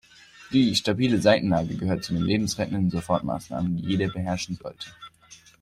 Die stabile Seitenlage gehört zu den lebensrettenden Sofortmaßnahmen, die jeder beherrschen sollte.